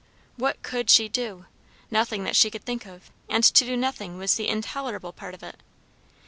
What could she do? Nothing that she could think of, and to do nothing was the intolerable part of it.